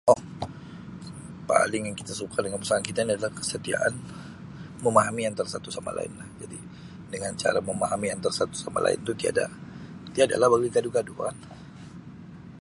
paling yang kita suka dengan pasangan kita ni adalah kesetiaan memahami antara satu sama lain, jadi dengan cara memahami antara satu sama lain tu tiada, tiada lah bagi gaduh-gaduh kan.